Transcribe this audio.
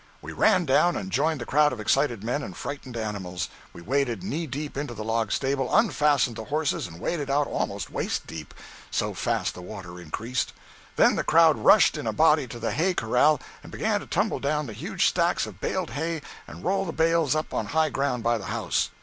We ran down and joined the crowd of excited men and frightened animals. We waded knee deep into the log stable, unfastened the horses and waded out almost waist deep, so fast the waters increased. Then the crowd rushed in a body to the hay corral and began to tumble down the huge stacks of baled hay and roll the bales up on the high ground by the house.